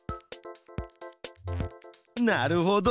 なるほど！